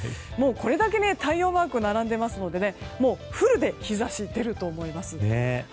これだけ太陽マークが並んでいますのでもう、フルで日差しが出ると思います。